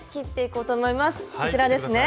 こちらですね。